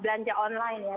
belanja online ya